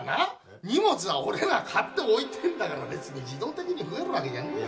荷物は俺が買って置いてんだから別に自動的に増えるわけじゃねえんだよ。